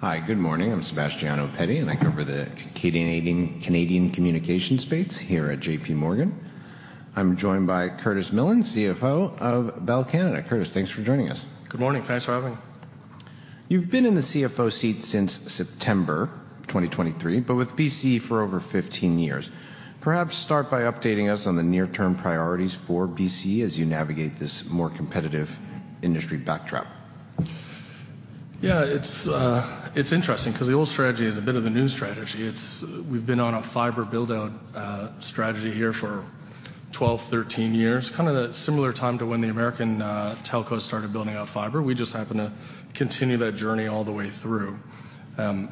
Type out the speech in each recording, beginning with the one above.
Hi, good morning. I'm Sebastiano Petti, and I cover the Canadian, Canadian communication space here at J.P. Morgan. I'm joined by Curtis Millen, CFO of Bell Canada. Curtis, thanks for joining us. Good morning. Thanks for having me. You've been in the CFO seat since September 2023, but with BCE for over 15 years. Perhaps start by updating us on the near-term priorities for BCE as you navigate this more competitive industry backdrop. Yeah, it's interesting, 'cause the old strategy is a bit of a new strategy. We've been on a fiber build-out strategy here for 12, 13 years, kind of a similar time to when the American telco started building out fiber. We just happened to continue that journey all the way through.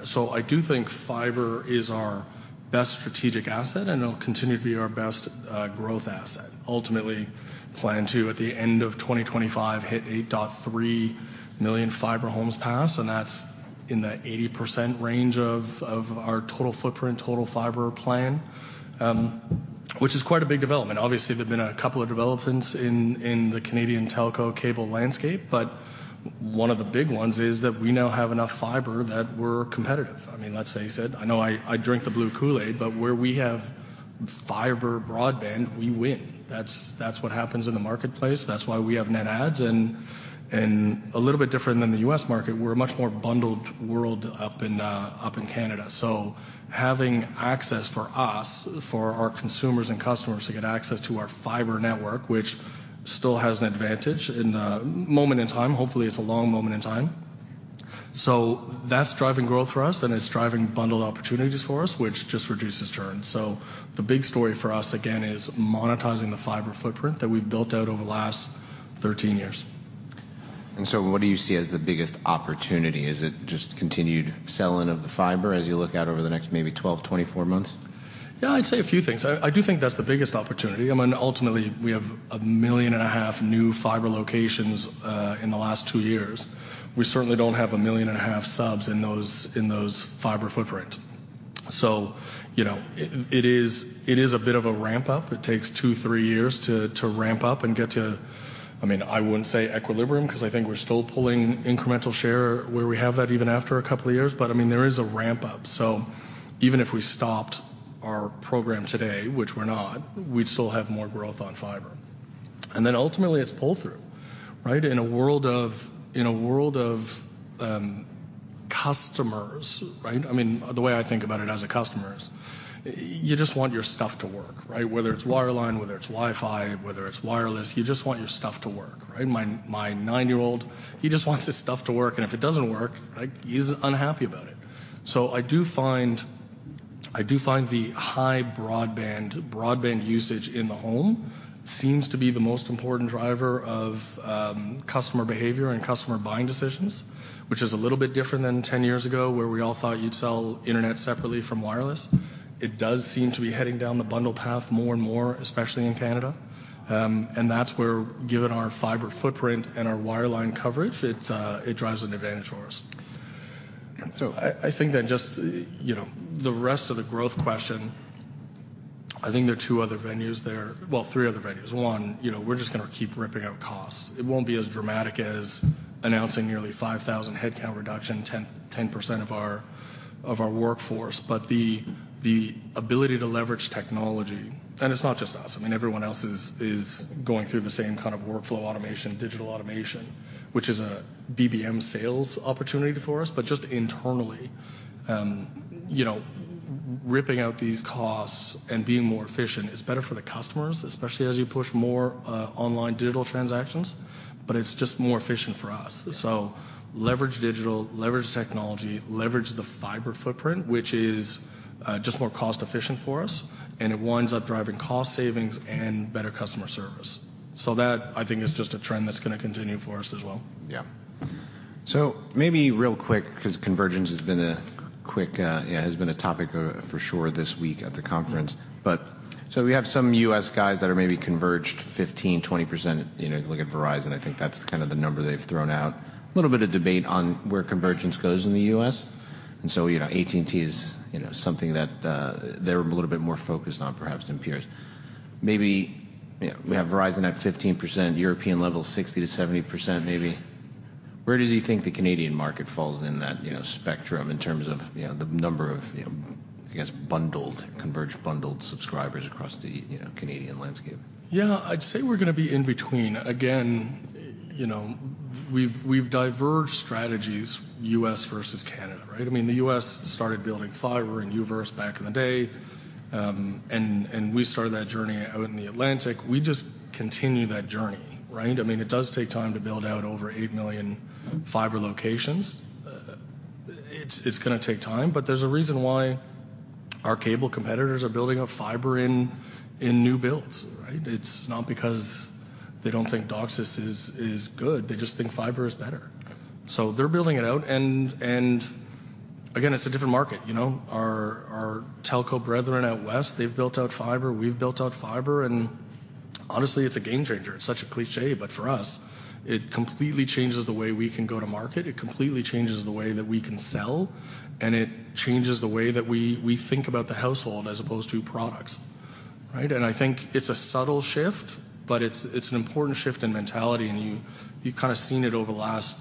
So I do think fiber is our best strategic asset, and it'll continue to be our best growth asset. Ultimately, plan to, at the end of 2025, hit 8.3 million fiber homes passed, and that's in the 80% range of our total footprint, total fiber plan, which is quite a big development. Obviously, there have been a couple of developments in the Canadian telco cable landscape, but one of the big ones is that we now have enough fiber that we're competitive. I mean, that's how you said... I know I, I drink the blue Kool-Aid, but where we have fiber broadband, we win. That's, that's what happens in the marketplace. That's why we have net adds, and a little bit different than the U.S. market, we're a much more bundled world up in, up in Canada. So having access for us, for our consumers and customers to get access to our fiber network, which still has an advantage in a moment in time. Hopefully, it's a long moment in time. So that's driving growth for us, and it's driving bundled opportunities for us, which just reduces churn. So the big story for us, again, is monetizing the fiber footprint that we've built out over the last 13 years. So what do you see as the biggest opportunity? Is it just continued selling of the fiber as you look out over the next maybe 12, 24 months? Yeah, I'd say a few things. I, I do think that's the biggest opportunity. I mean, ultimately, we have 1.5 million new fiber locations in the last two years. We certainly don't have 1.5 million subs in those, in those fiber footprint. So, you know, it, it is, it is a bit of a ramp-up. It takes two, three years to, to ramp up and get to... I mean, I wouldn't say equilibrium, 'cause I think we're still pulling incremental share where we have that even after a couple of years, but, I mean, there is a ramp-up. So even if we stopped our program today, which we're not, we'd still have more growth on fiber. And then ultimately, it's pull-through, right? In a world of, in a world of, customers, right? I mean, the way I think about it as a customer is, you just want your stuff to work, right? Whether it's wireline, whether it's Wi-Fi, whether it's wireless, you just want your stuff to work, right? My nine-year-old, he just wants his stuff to work, and if it doesn't work, right, he's unhappy about it. So I do find, I do find the high broadband, broadband usage in the home seems to be the most important driver of, customer behavior and customer buying decisions, which is a little bit different than 10 years ago, where we all thought you'd sell internet separately from wireless. It does seem to be heading down the bundle path more and more, especially in Canada. And that's where, given our fiber footprint and our wireline coverage, it, it drives an advantage for us. So I think that just, you know, the rest of the growth question, I think there are two other venues there. Well, three other venues. One, you know, we're just gonna keep ripping out costs. It won't be as dramatic as announcing nearly 5,000 headcount reduction, 10% of our workforce, but the ability to leverage technology. And it's not just us. I mean, everyone else is going through the same kind of workflow automation, digital automation, which is a BBM sales opportunity for us. But just internally, you know, ripping out these costs and being more efficient is better for the customers, especially as you push more online digital transactions, but it's just more efficient for us. So leverage digital, leverage technology, leverage the fiber footprint, which is just more cost-efficient for us, and it winds up driving cost savings and better customer service. So that, I think, is just a trend that's gonna continue for us as well. Yeah. So maybe real quick, because convergence has been a topic for sure this week at the conference. But so we have some U.S. guys that are maybe converged 15-20%. You know, if you look at Verizon, I think that's kind of the number they've thrown out. A little bit of debate on where convergence goes in the U.S. And so, you know, AT&T is, you know, something that, they're a little bit more focused on perhaps than peers. Maybe, you know, we have Verizon at 15%, European level, 60%-70%, maybe. Where do you think the Canadian market falls in that, you know, spectrum in terms of, you know, the number of, you know, I guess, bundled, converged, bundled subscribers across the, you know, Canadian landscape? Yeah, I'd say we're gonna be in between. Again, you know, we've diverged strategies, U.S. versus Canada, right? I mean, the U.S. started building fiber and U-verse back in the day, and we started that journey out in the Atlantic. We just continue that journey, right? I mean, it does take time to build out over 8 million fiber locations. It's gonna take time, but there's a reason why our cable competitors are building out fiber in new builds, right? It's not because they don't think DOCSIS is good. They just think fiber is better. So they're building it out, and again, it's a different market, you know? Our telco brethren out West, they've built out fiber, we've built out fiber, and honestly, it's a game changer. It's such a cliché, but for us, it completely changes the way we can go to market, it completely changes the way that we can sell, and it changes the way that we think about the household as opposed to products. Right? And I think it's a subtle shift, but it's an important shift in mentality, and you've kind of seen it over the last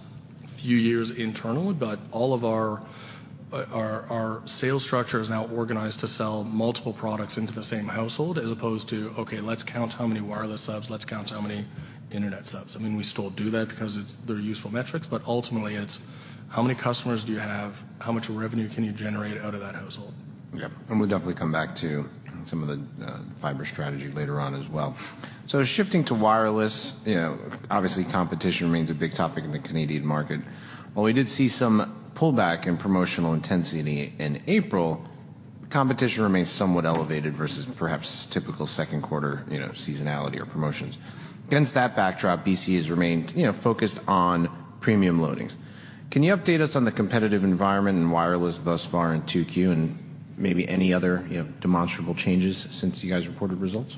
few years internally. But all of our sales structure is now organized to sell multiple products into the same household, as opposed to, "Okay, let's count how many wireless subs, let's count how many internet subs." I mean, we still do that because it's, they're useful metrics, but ultimately, it's how many customers do you have? How much revenue can you generate out of that household? Yep, and we'll definitely come back to some of the fiber strategy later on as well. So shifting to wireless, you know, obviously, competition remains a big topic in the Canadian market. While we did see some pullback in promotional intensity in April, competition remains somewhat elevated versus perhaps typical second quarter, you know, seasonality or promotions. Against that backdrop, BCE has remained, you know, focused on premium loadings. Can you update us on the competitive environment in wireless thus far in 2Q, and maybe any other, you know, demonstrable changes since you guys reported results?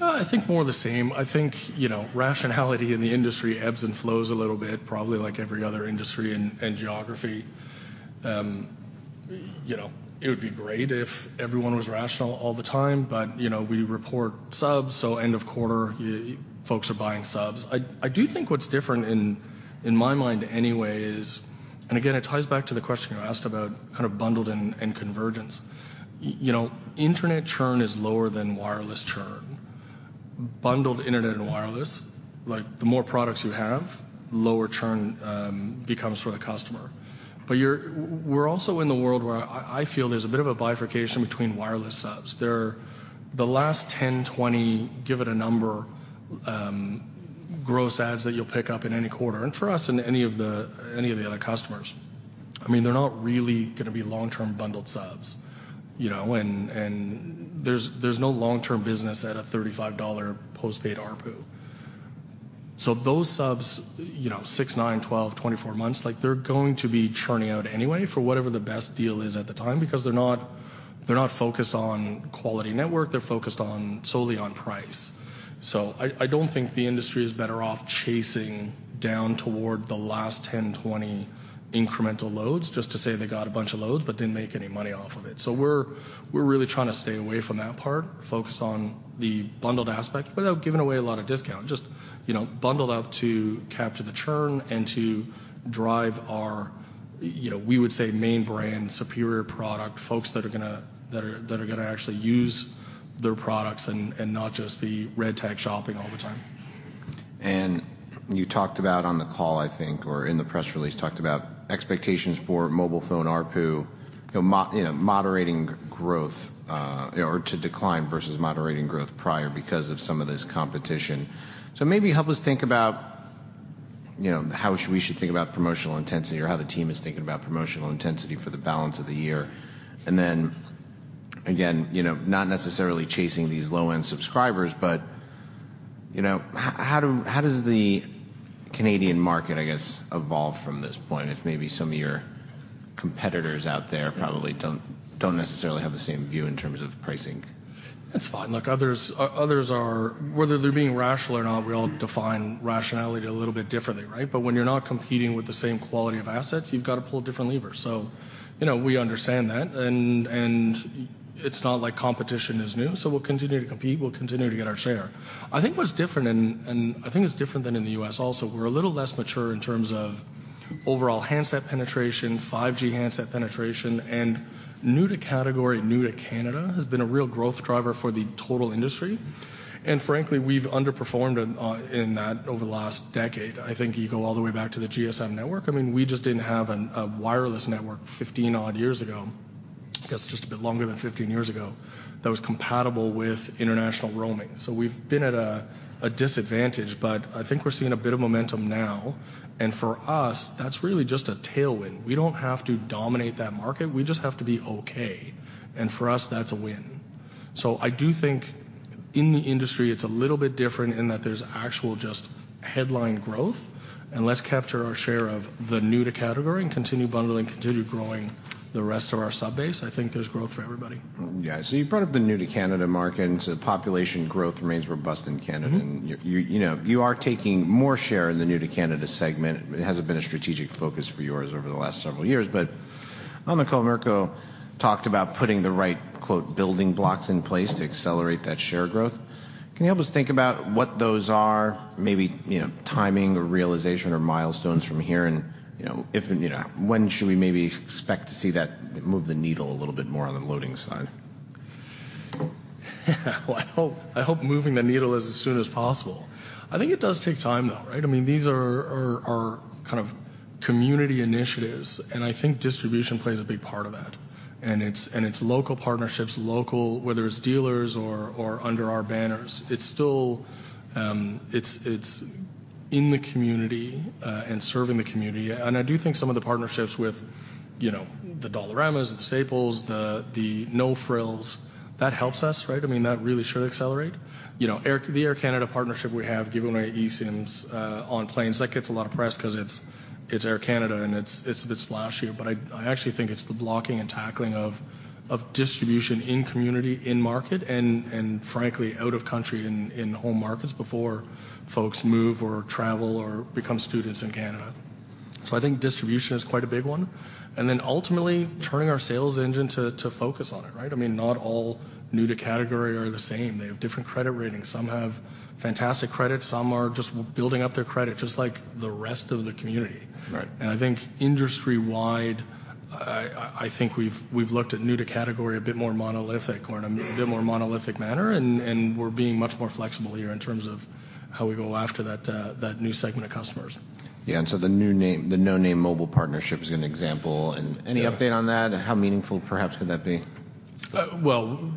I think more the same. I think, you know, rationality in the industry ebbs and flows a little bit, probably like every other industry and, and geography. You know, it would be great if everyone was rational all the time, but, you know, we report subs, so end of quarter, folks are buying subs. I, I do think what's different in, in my mind anyway is... And again, it ties back to the question you asked about kind of bundled and, and convergence. Y-you know, internet churn is lower than wireless churn. Bundled internet and wireless, like, the more products you have, lower churn, becomes for the customer. But you're-- w-we're also in the world where I, I feel there's a bit of a bifurcation between wireless subs. There are... The last 10, 20, give it a number, gross adds that you'll pick up in any quarter, and for us and any of the, any of the other customers, I mean, they're not really gonna be long-term bundled subs, you know? And, and there's, there's no long-term business at a 35 dollar postpaid ARPU. So those subs, you know, 6, 9, 12, 24 months, like, they're going to be churning out anyway for whatever the best deal is at the time because they're not, they're not focused on quality network, they're focused on, solely on price. So I, I don't think the industry is better off chasing down toward the last 10, 20 incremental loads just to say they got a bunch of loads but didn't make any money off of it. So we're really trying to stay away from that part, focus on the bundled aspect, without giving away a lot of discount. Just, you know, bundle up to capture the churn and to drive our, you know, we would say, main brand, superior product, folks that are gonna actually use their products and not just be red tag shopping all the time. You talked about on the call, I think, or in the press release, talked about expectations for mobile phone ARPU, you know, moderating growth, or to decline versus moderating growth prior because of some of this competition. So maybe help us think about, you know, how we should think about promotional intensity or how the team is thinking about promotional intensity for the balance of the year. And then, again, you know, not necessarily chasing these low-end subscribers, but, you know, how does the Canadian market, I guess, evolve from this point, if maybe some of your competitors out there probably don't necessarily have the same view in terms of pricing? That's fine. Look, others are... Whether they're being rational or not, we all define rationality a little bit differently, right? But when you're not competing with the same quality of assets, you've got to pull different levers. So, you know, we understand that, and it's not like competition is new, so we'll continue to compete, we'll continue to get our share. I think what's different, and I think it's different than in the U.S. also, we're a little less mature in terms of overall handset penetration, 5G handset penetration, and new to category, new to Canada, has been a real growth driver for the total industry. And frankly, we've underperformed in that over the last decade. I think you go all the way back to the GSM network. I mean, we just didn't have a wireless network 15-odd years ago, I guess just a bit longer than 15 years ago, that was compatible with international roaming. So we've been at a disadvantage, but I think we're seeing a bit of momentum now. And for us, that's really just a tailwind. We don't have to dominate that market. We just have to be okay, and for us, that's a win. So I do think in the industry, it's a little bit different in that there's actual just headline growth, and let's capture our share of the new to category and continue bundling, continue growing the rest of our subbase. I think there's growth for everybody. Yeah. So you brought up the new-to-Canada market, and so population growth remains robust in Canada. Mm-hmm. You're, you know, you are taking more share in the new to Canada segment. It hasn't been a strategic focus for yours over the last several years, but on the call, Mirco talked about putting the right, quote, "building blocks in place" to accelerate that share growth. Can you help us think about what those are? Maybe, you know, timing or realization or milestones from here and, you know, if and, you know, when should we maybe expect to see that move the needle a little bit more on the loading side? Well, I hope, I hope moving the needle as soon as possible. I think it does take time, though, right? I mean, these are kind of community initiatives, and I think distribution plays a big part of that. And it's local partnerships, local, whether it's dealers or under our banners. It's still... It's in the community, and serving the community. And I do think some of the partnerships with, you know, the Dollaramas, the Staples, the No Frills, that helps us, right? I mean, that really should accelerate. You know, the Air Canada partnership we have, giving away eSIMs on planes, that gets a lot of press 'cause it's Air Canada, and it's a bit splashy. But I actually think it's the blocking and tackling of distribution in community, in market, and frankly, out of country, in home markets before folks move or travel or become students in Canada. So I think distribution is quite a big one, and then ultimately, turning our sales engine to focus on it, right? I mean, not all new to category are the same. They have different credit ratings. Some have fantastic credit, some are just building up their credit, just like the rest of the community. Right. I think industry-wide, we've looked at new to category a bit more monolithic or in a bit more monolithic manner, and we're being much more flexible here in terms of how we go after that new segment of customers. Yeah, and so the no name mobile partnership is an example. Yeah. Any update on that? How meaningful, perhaps, could that be? Well,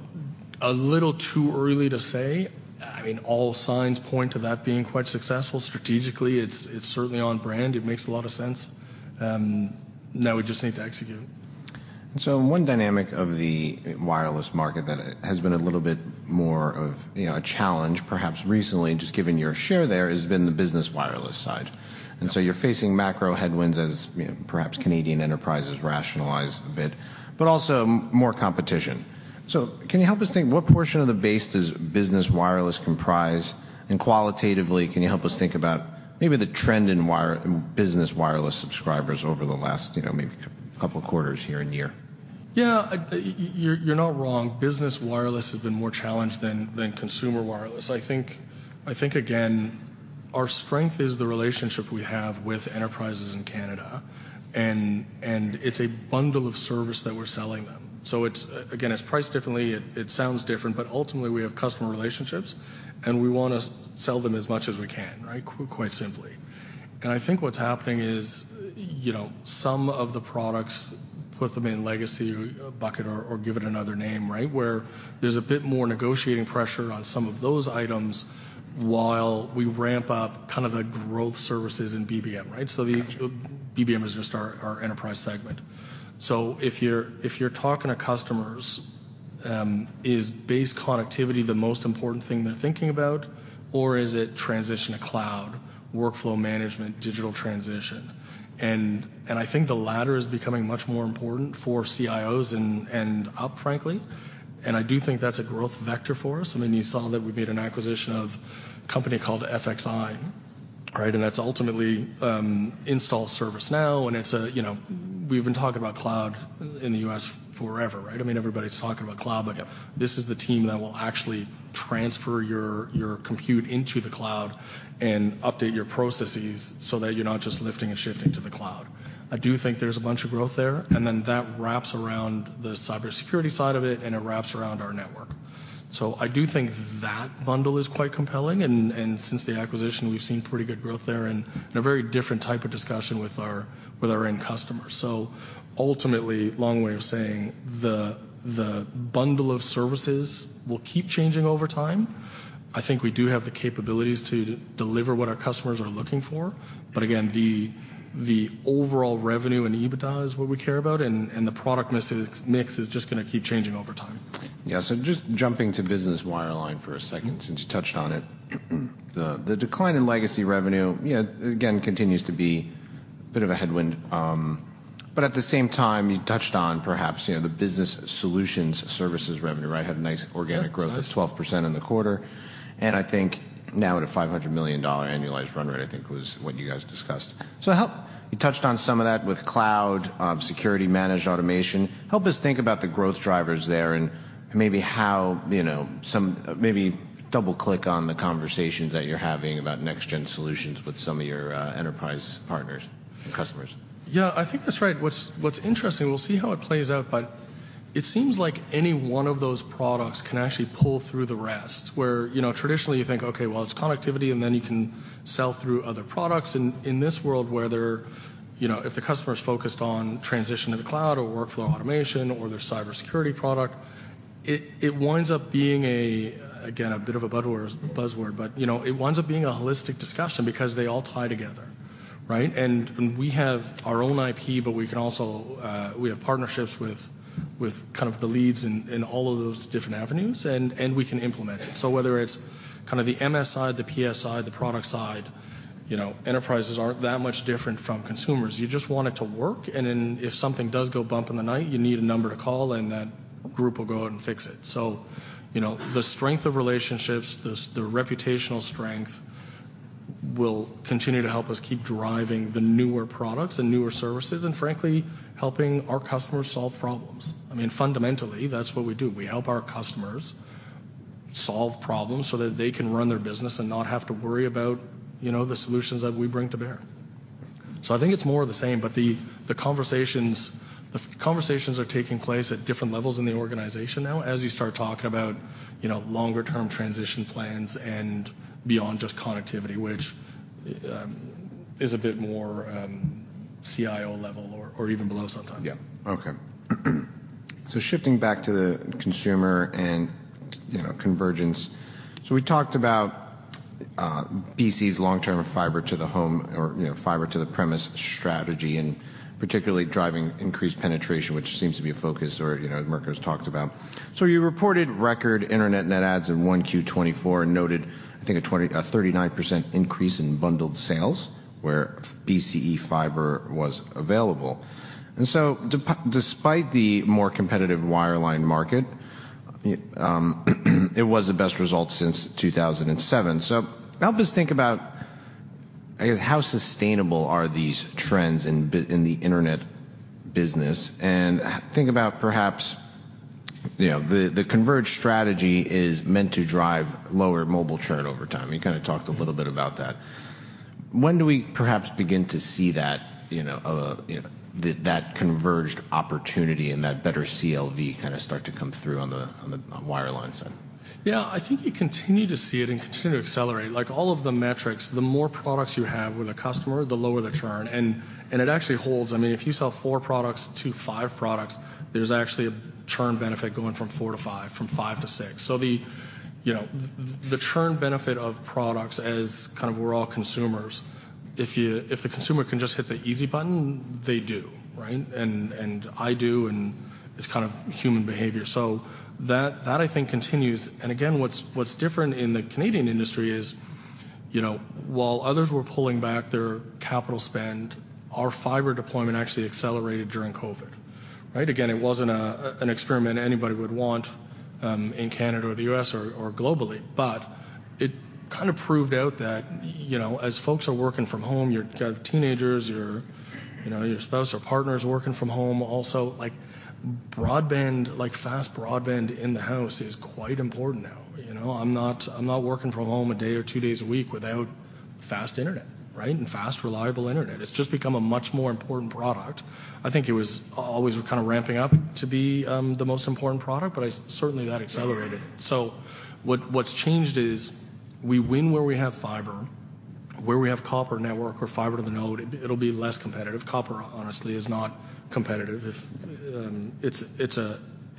a little too early to say. I mean, all signs point to that being quite successful. Strategically, it's certainly on brand. It makes a lot of sense. Now we just need to execute. And so one dynamic of the wireless market that has been a little bit more of, you know, a challenge, perhaps recently, just given your share there, has been the business wireless side. Yeah. So you're facing macro headwinds as, you know, perhaps Canadian enterprises rationalize a bit, but also more competition. So can you help us think what portion of the base does business wireless comprise? And qualitatively, can you help us think about maybe the trend in business wireless subscribers over the last, you know, maybe couple quarters, year-over-year? Yeah, you're not wrong. Business wireless has been more challenged than consumer wireless. I think, again, our strength is the relationship we have with enterprises in Canada, and it's a bundle of service that we're selling them. So it's... Again, it's priced differently, it sounds different, but ultimately, we have customer relationships, and we wanna sell them as much as we can, right? Quite simply. And I think what's happening is, you know, some of the products, put them in legacy bucket or give it another name, right? Where there's a bit more negotiating pressure on some of those items while we ramp up kind of the growth services in BBM, right? So BBM is just our enterprise segment. So if you're talking to customers, is base connectivity the most important thing they're thinking about, or is it transition to cloud, workflow management, digital transition? And I think the latter is becoming much more important for CIOs and up, frankly, and I do think that's a growth vector for us. I mean, you saw that we made an acquisition of a company called FXi, right? And that's ultimately install ServiceNow, and it's, you know... We've been talking about cloud in the U.S. forever, right? I mean, everybody's talking about cloud, but this is the team that will actually transfer your compute into the cloud and update your processes so that you're not just lifting and shifting to the cloud. I do think there's a bunch of growth there, and then that wraps around the cybersecurity side of it, and it wraps around our network. So I do think that bundle is quite compelling, and since the acquisition, we've seen pretty good growth there and in a very different type of discussion with our end customers. So ultimately, long way of saying the bundle of services will keep changing over time. I think we do have the capabilities to deliver what our customers are looking for, but again, the overall revenue and EBITDA is what we care about, and the product mix is just gonna keep changing over time. Yeah, so just jumping to business wireline for a second, since you touched on it. The decline in legacy revenue, you know, again, continues to be a bit of a headwind, but at the same time, you touched on perhaps, you know, the business solutions services revenue, right? Had a nice organic growth- Yeah... at 12% in the quarter, and I think now at a 500 million dollar annualized run rate, I think, was what you guys discussed. You touched on some of that with cloud, security, managed automation. Help us think about the growth drivers there and maybe how, you know, some... Maybe double-click on the conversations that you're having about next gen solutions with some of your enterprise partners and customers. Yeah, I think that's right. What's interesting, we'll see how it plays out, but it seems like any one of those products can actually pull through the rest, where, you know, traditionally you think, okay, well, it's connectivity, and then you can sell through other products. In this world, whether, you know, if the customer is focused on transition to the cloud or workflow automation or their cybersecurity product, it winds up being a, again, a bit of a buzzword, but, you know, it winds up being a holistic discussion because they all tie together, right? And we have our own IP, but we can also. We have partnerships with kind of the leads in all of those different avenues, and we can implement it. So whether it's kind of the MS side, the PS side, the product side, you know, enterprises aren't that much different from consumers. You just want it to work, and then if something does go bump in the night, you need a number to call, and that group will go out and fix it. So, you know, the strength of relationships, the reputational strength, will continue to help us keep driving the newer products and newer services, and frankly, helping our customers solve problems. I mean, fundamentally, that's what we do. We help our customers solve problems so that they can run their business and not have to worry about, you know, the solutions that we bring to bear. So I think it's more of the same, but the conversations are taking place at different levels in the organization now, as you start talking about, you know, longer term transition plans and beyond just connectivity, which is a bit more CIO level or even below sometimes. Yeah. Okay. So shifting back to the consumer and, you know, convergence. So we talked about BCE's long-term fiber to the home or, you know, fiber to the premise strategy, and particularly driving increased penetration, which seems to be a focus or, you know, Mirco has talked about. So you reported record internet net adds in 1Q24, and noted, I think, a 39% increase in bundled sales where BCE fiber was available. And so despite the more competitive wireline market, it was the best result since 2007. So help us think about, I guess, how sustainable are these trends in the internet business, and think about perhaps, you know, the converged strategy is meant to drive lower mobile churn over time. You kind of talked a little bit about that. When do we perhaps begin to see that, you know, you know, that converged opportunity and that better CLV kind of start to come through on the wireline side? Yeah, I think you continue to see it and continue to accelerate. Like, all of the metrics, the more products you have with a customer, the lower the churn, and it actually holds. I mean, if you sell four products to five products, there's actually a churn benefit going from four to five, from five to six. So, you know, the churn benefit of products as kind of we're all consumers, if the consumer can just hit the easy button, they do, right? And I do, and it's kind of human behavior. So that I think continues. And again, what's different in the Canadian industry is, you know, while others were pulling back their capital spend, our fiber deployment actually accelerated during COVID, right? Again, it wasn't an experiment anybody would want in Canada or the U.S. or globally, but it kind of proved out that, you know, as folks are working from home, you're... You have teenagers, your, you know, your spouse or partner is working from home also, like, broadband, like, fast broadband in the house is quite important now. You know, I'm not, I'm not working from home a day or two days a week without fast internet, right? And fast, reliable internet. It's just become a much more important product. I think it was always kind of ramping up to be the most important product, but I... Certainly, that accelerated. So what's changed is we win where we have fiber. Where we have copper network or fiber to the node, it, it'll be less competitive. Copper, honestly, is not competitive. If...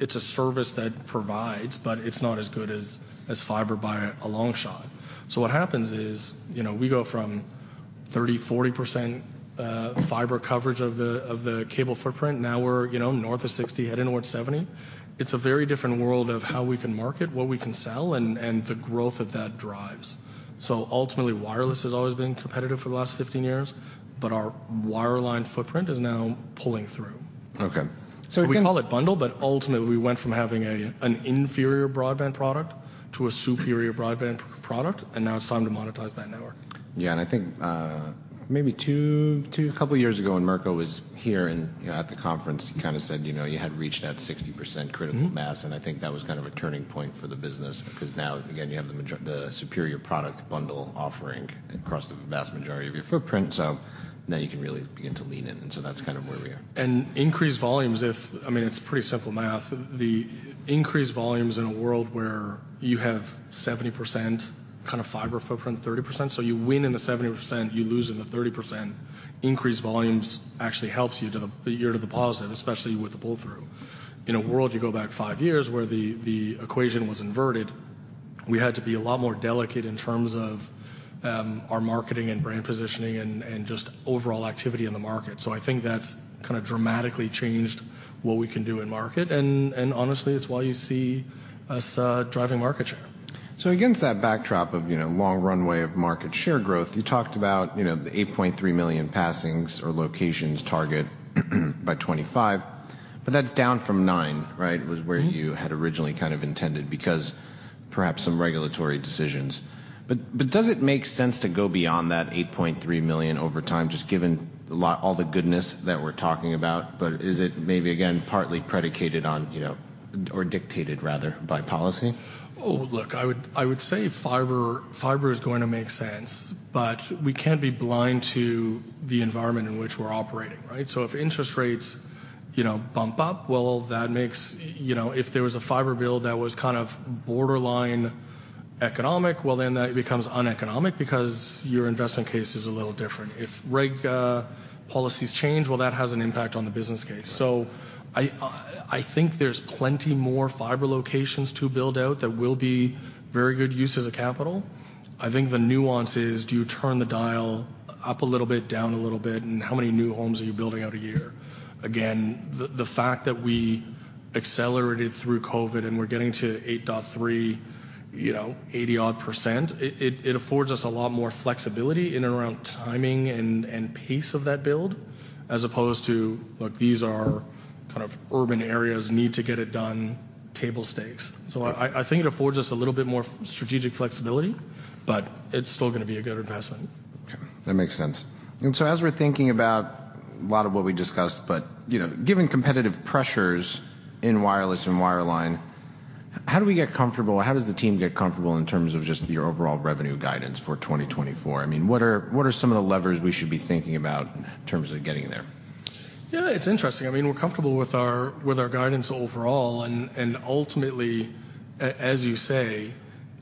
It's a service that provides, but it's not as good as fiber by a long shot. So what happens is, you know, we go from 30%-40% fiber coverage of the cable footprint. Now we're, you know, north of 60%, heading towards 70%. It's a very different world of how we can market, what we can sell, and the growth that that drives. So ultimately, wireless has always been competitive for the last 15 years, but our wireline footprint is now pulling through. Okay. So again- We call it bundle, but ultimately we went from having an inferior broadband product to a superior broadband product, and now it's time to monetize that network. Yeah, and I think, maybe 2, 2, couple of years ago, when Mirco was here and, you know, at the conference, he kind of said, you know, you had reached that 60%- Mm-hmm... critical mass, and I think that was kind of a turning point for the business, because now, again, you have the superior product bundle offering across the vast majority of your footprint, so now you can really begin to lean in. And so that's kind of where we are. And increased volumes, I mean, it's pretty simple math. The increased volumes in a world where you have 70% kind of fiber footprint, 30%, so you win in the 70%, you lose in the 30%, increased volumes actually helps you to the year to the positive, especially with the pull through. In a world, you go back 5 years, where the equation was inverted, we had to be a lot more delicate in terms of our marketing and brand positioning and just overall activity in the market. So I think that's kind of dramatically changed what we can do in market, and honestly, it's why you see us driving market share. So against that backdrop of, you know, long runway of market share growth, you talked about, you know, the 8.3 million passings or locations target, by 2025, but that's down from 9, right? Mm-hmm. Was where you had originally kind of intended, because perhaps some regulatory decisions. But does it make sense to go beyond that 8.3 million over time, just given all the goodness that we're talking about, but is it maybe, again, partly predicated on, you know, or dictated rather, by policy? Oh, look, I would, I would say fiber, fiber is going to make sense, but we can't be blind to the environment in which we're operating, right? So if interest rates, you know, bump up, well, that makes... You know, if there was a fiber build that was kind of borderline economic, well, then that becomes uneconomic because your investment case is a little different. If regulatory policies change, well, that has an impact on the business case. Right. So I think there's plenty more fiber locations to build out that will be very good uses of capital. I think the nuance is, do you turn the dial up a little bit, down a little bit, and how many new homes are you building out a year? Again, the fact that we accelerated through COVID, and we're getting to 8.3, you know, 80-odd%, it affords us a lot more flexibility in and around timing and pace of that build, as opposed to, "Look, these are kind of urban areas, need to get it done" table stakes. Right. So I think it affords us a little bit more strategic flexibility, but it's still gonna be a good investment. Okay, that makes sense. And so as we're thinking about a lot of what we discussed, but, you know, given competitive pressures in wireless and wireline, how do we get comfortable, how does the team get comfortable in terms of just your overall revenue guidance for 2024? I mean, what are, what are some of the levers we should be thinking about in terms of getting there? Yeah, it's interesting. I mean, we're comfortable with our guidance overall, and ultimately, as you say,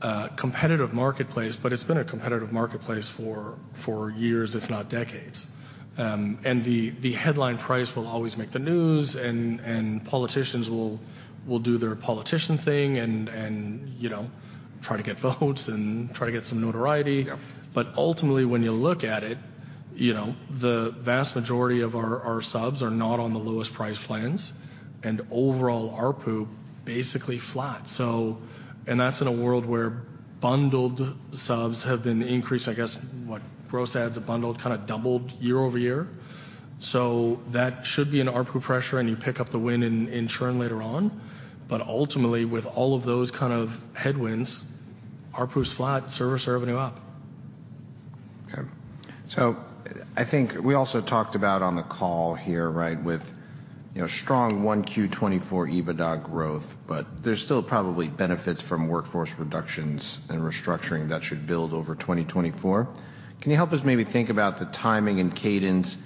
a competitive marketplace, but it's been a competitive marketplace for years, if not decades. And the headline price will always make the news, and politicians will do their politician thing and, you know, try to get votes and try to get some notoriety. Yep. But ultimately, when you look at it, you know, the vast majority of our subs are not on the lowest priced plans, and overall, ARPU basically flat. So. And that's in a world where bundled subs have been increased, I guess, what? Gross adds are bundled, kind of doubled year-over-year. So that should be an ARPU pressure, and you pick up the win in churn later on. But ultimately, with all of those kind of headwinds, ARPU's flat, service revenue up. Okay. So I think we also talked about on the call here, right, with, you know, strong 1Q 2024 EBITDA growth, but there's still probably benefits from workforce reductions and restructuring that should build over 2024. Can you help us maybe think about the timing and cadence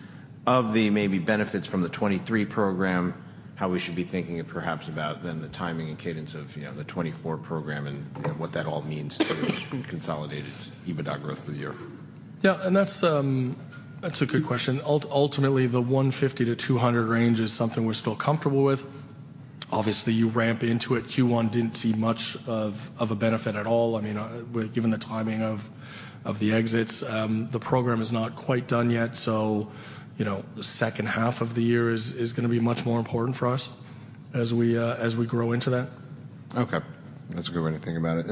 of the maybe benefits from the 2023 program, how we should be thinking of perhaps about then the timing and cadence of, you know, the 2024 program, and, you know, what that all means to consolidated EBITDA growth of the year? Yeah, and that's a good question. Ultimately, the 150-200 range is something we're still comfortable with. Obviously, you ramp into it. Q1 didn't see much of a benefit at all. I mean, given the timing of the exits, the program is not quite done yet, so, you know, the second half of the year is gonna be much more important for us as we grow into that. Okay, that's a good way to think about it.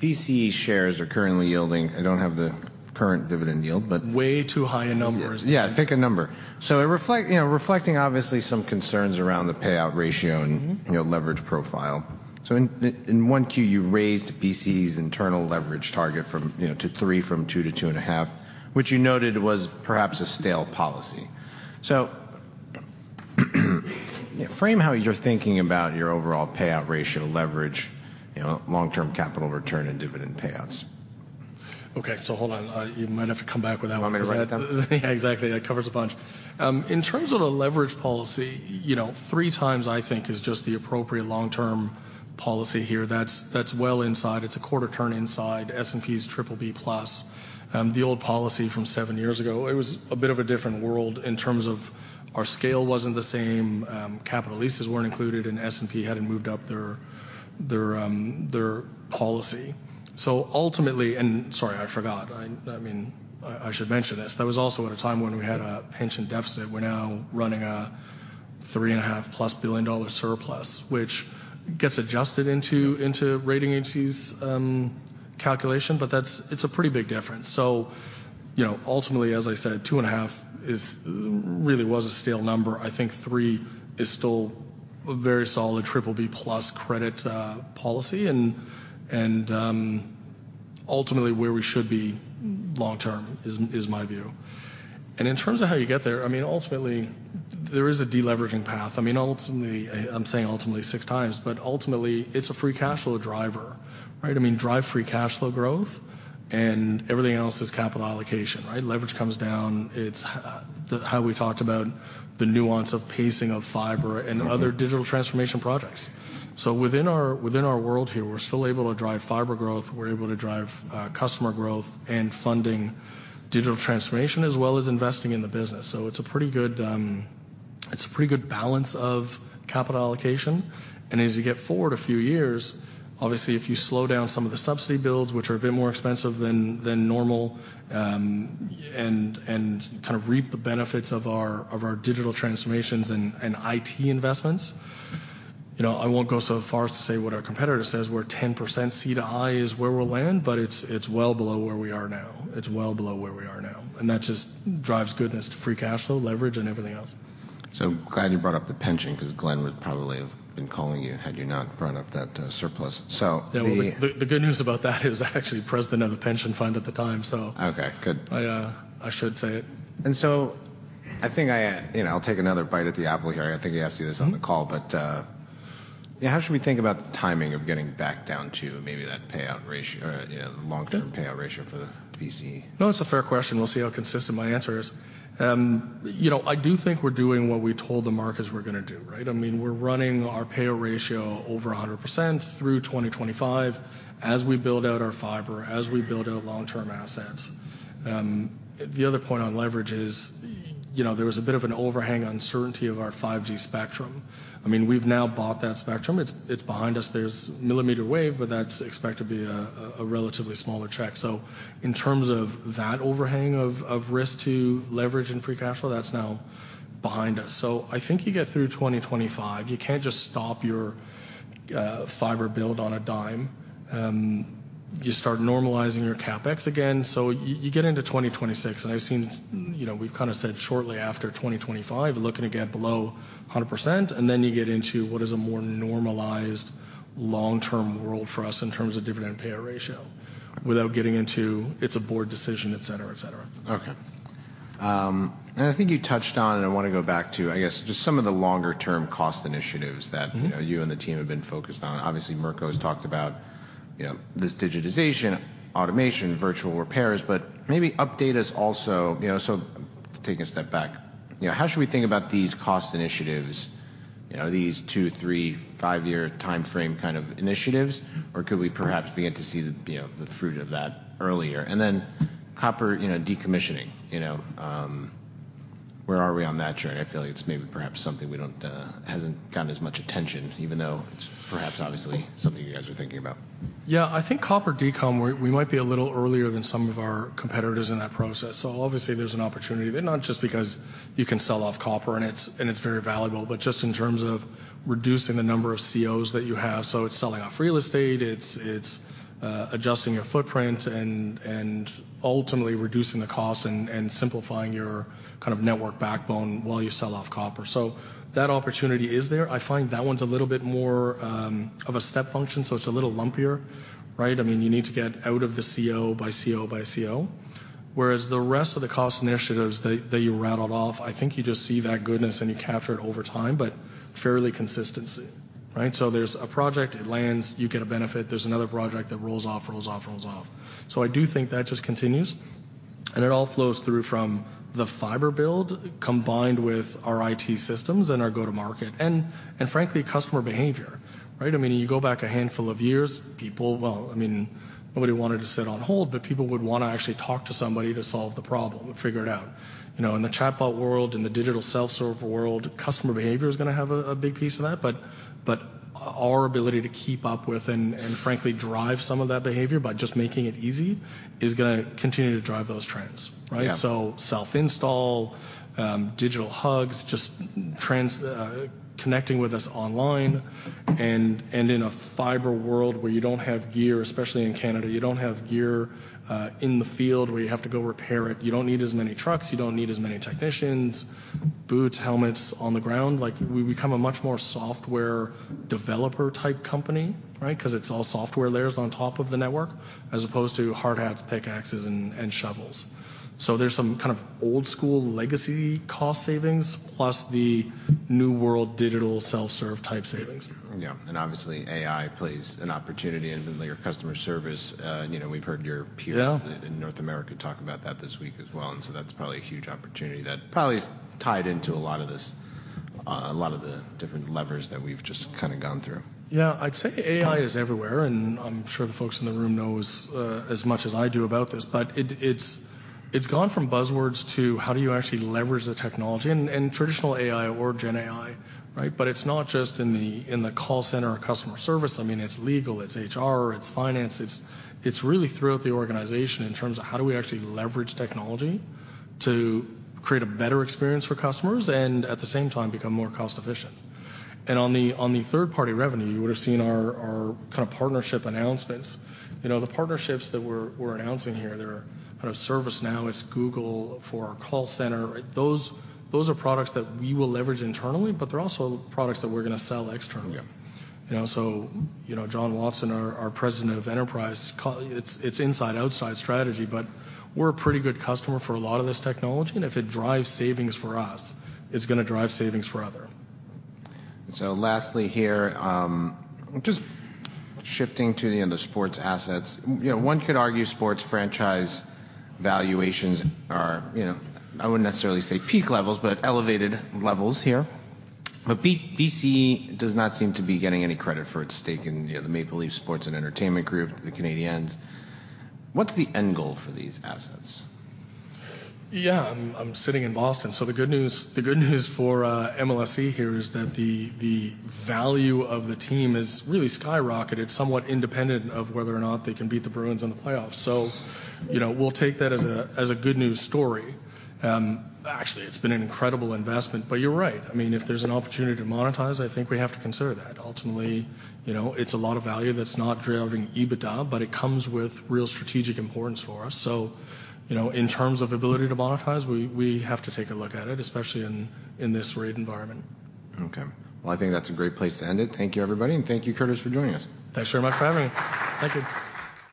BCE shares are currently yielding... I don't have the current dividend yield, but- Way too high a number is- Yeah, pick a number. So it reflect, you know, reflecting obviously some concerns around the payout ratio- Mm-hmm. And, you know, leverage profile. So in one Q, you raised BCE's internal leverage target from, you know, to 3, from 2 to 2.5, which you noted was perhaps a stale policy. So, frame how you're thinking about your overall payout ratio leverage, you know, long-term capital return and dividend payouts? Okay, so hold on. You might have to come back with that one. You want me to write it down? Yeah, exactly. That covers a bunch. In terms of the leverage policy, you know, 3x, I think, is just the appropriate long-term policy here. That's, that's well inside. It's a quarter turn inside S&P's BBB+. The old policy from 7 years ago, it was a bit of a different world in terms of our scale wasn't the same, capital leases weren't included, and S&P hadn't moved up their policy. So ultimately... And sorry, I forgot. I mean, I should mention this. That was also at a time when we had a pension deficit. We're now running a 3.5+ billion dollar surplus, which gets adjusted into rating agencies' calculation, but that's, it's a pretty big difference. So, you know, ultimately, as I said, 2.5x really was a stale number. I think 3 is still a very solid BBB+ credit policy, and ultimately where we should be long term is my view. In terms of how you get there, I mean, ultimately, there is a deleveraging path. I mean, ultimately, I'm saying ultimately 6 times, but ultimately, it's a free cash flow driver, right? I mean, drive free cash flow growth, and everything else is capital allocation, right? Leverage comes down. It's the how we talked about the nuance of pacing of fiber- Mm-hmm. and other digital transformation projects. So within our, within our world here, we're still able to drive fiber growth, we're able to drive, customer growth and funding digital transformation, as well as investing in the business. So it's a pretty good, it's a pretty good balance of capital allocation, and as you get forward a few years, obviously, if you slow down some of the subsidy builds, which are a bit more expensive than, than normal, and, and kind of reap the benefits of our, of our digital transformations and, and IT investments. You know, I won't go so far as to say what our competitor says, we're 10% C to I is where we'll land, but it's, it's well below where we are now. It's well below where we are now, and that just drives goodness to free cash flow, leverage, and everything else. So glad you brought up the pension, 'cause Glen would probably have been calling you had you not brought up that, surplus. So the- Yeah, the good news about that is I was actually president of the pension fund at the time, so- Okay, good. I, I should say it. So I think I, you know, I'll take another bite at the apple here. I think I asked you this- Mm-hmm. on the call, but, yeah, how should we think about the timing of getting back down to maybe that payout ratio, you know, long-term? Yeah Payout ratio for the BCE? No, it's a fair question. We'll see how consistent my answer is. You know, I do think we're doing what we told the markets we're gonna do, right? I mean, we're running our payout ratio over 100% through 2025, as we build out our fiber, as we build out long-term assets. The other point on leverage is, you know, there was a bit of an overhang uncertainty of our 5G spectrum. I mean, we've now bought that spectrum. It's, it's behind us. There's millimeter wave, but that's expected to be a, a relatively smaller track. So in terms of that overhang of, of risk to leverage and free cash flow, that's now behind us. So I think you get through 2025, you can't just stop your fiber build on a dime. You start normalizing your CapEx again. So you get into 2026, and I've seen... You know, we've kind of said shortly after 2025, looking to get below 100%, and then you get into what is a more normalized long-term world for us in terms of dividend payout ratio, without getting into it's a board decision, et cetera, et cetera. Okay. I think you touched on, and I want to go back to, I guess, just some of the longer-term cost initiatives that- Mm-hmm... you and the team have been focused on. Obviously, Mirco has talked about, you know, this digitization, automation, virtual repairs, but maybe update us also... You know, so taking a step back, you know, how should we think about these cost initiatives? You know, are these 2, 3, 5-year timeframe kind of initiatives, or could we perhaps begin to see the, you know, the fruit of that earlier? And then copper, you know, decommissioning. You know, where are we on that journey? I feel like it's maybe perhaps something we don't, hasn't gotten as much attention, even though it's perhaps obviously something you guys are thinking about. Yeah. I think copper decom, we might be a little earlier than some of our competitors in that process. So obviously, there's an opportunity there, not just because you can sell off copper, and it's very valuable, but just in terms of reducing the number of COs that you have. So it's selling off real estate, adjusting your footprint and ultimately reducing the cost and simplifying your kind of network backbone while you sell off copper. So that opportunity is there. I find that one's a little bit more of a step function, so it's a little lumpier, right? I mean, you need to get out of the CO by CO by CO. Whereas the rest of the cost initiatives that, that you rattled off, I think you just see that goodness, and you capture it over time, but fairly consistently, right? So there's a project, it lands, you get a benefit. There's another project that rolls off, rolls off, rolls off. So I do think that just continues, and it all flows through from the fiber build, combined with our IT systems and our go-to-market, and, and frankly, customer behavior, right? I mean, you go back a handful of years, people... Well, I mean, nobody wanted to sit on hold, but people would wanna actually talk to somebody to solve the problem, and figure it out. You know, in the chatbot world, in the digital self-serve world, customer behavior is gonna have a, a big piece of that. But our ability to keep up with, and frankly, drive some of that behavior by just making it easy, is gonna continue to drive those trends, right? Yeah. So self-install, Digital Hugs, just transacting, connecting with us online. In a fiber world, where you don't have gear, especially in Canada, you don't have gear in the field where you have to go repair it. You don't need as many trucks. You don't need as many technicians, boots, helmets on the ground. Like, we become a much more software developer-type company, right? 'Cause it's all software layers on top of the network, as opposed to hard hats, pickaxes, and shovels. So there's some kind of old school legacy cost savings, plus the new world, digital, self-serve type savings. Yeah, and obviously, AI plays an opportunity in your customer service. You know, we've heard your peers- Yeah in North America talk about that this week as well, and so that's probably a huge opportunity that probably is tied into a lot of this... a lot of the different levers that we've just kinda gone through. Yeah. I'd say AI is everywhere, and I'm sure the folks in the room know as much as I do about this. But it's gone from buzzwords to how do you actually leverage the technology, and traditional AI or GenAI, right? But it's not just in the call center or customer service. I mean, it's legal, it's HR, it's finance. It's really throughout the organization in terms of how do we actually leverage technology to create a better experience for customers, and at the same time, become more cost efficient. And on the third-party revenue, you would've seen our kind of partnership announcements. You know, the partnerships that we're announcing here, they're kind of ServiceNow, it's Google for our call center. Those, those are products that we will leverage internally, but they're also products that we're gonna sell externally. Yeah. You know, so you know, John Watson, our President of Enterprise, it's inside, outside strategy, but we're a pretty good customer for a lot of this technology, and if it drives savings for us, it's gonna drive savings for other. So lastly here, just shifting to the end of sports assets. You know, one could argue sports franchise valuations are, you know, I wouldn't necessarily say peak levels, but elevated levels here. But BCE does not seem to be getting any credit for its stake in, you know, the Maple Leaf Sports & Entertainment group, the Canadiens. What's the end goal for these assets? Yeah. I'm sitting in Boston, so the good news, the good news for MLSE here is that the value of the team has really skyrocketed, somewhat independent of whether or not they can beat the Bruins in the playoffs. So, you know, we'll take that as a good news story. Actually, it's been an incredible investment, but you're right. I mean, if there's an opportunity to monetize, I think we have to consider that. Ultimately, you know, it's a lot of value that's not driving EBITDA, but it comes with real strategic importance for us. So, you know, in terms of ability to monetize, we have to take a look at it, especially in this rate environment. Okay. Well, I think that's a great place to end it. Thank you everybody, and thank you, Curtis, for joining us. Thanks very much for having me. Thank you.